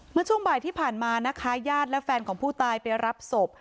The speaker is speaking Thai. เมื่อช่วงบ่ายที่ผ่านมานะคะญาติและแฟนของผู้ตายไปรับศพ